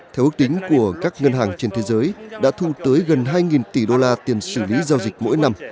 theo ước tính của các ngân hàng trên thế giới đã thu tới gần hai tỷ đô la tiền xử lý giao dịch mỗi năm